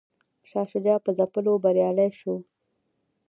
شاه شجاع په ځپلو بریالی شو.